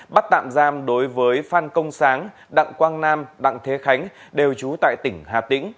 bắt tạm giam đối với phan công sáng đặng quang nam đặng thế khánh đều trú tại tỉnh hà tĩnh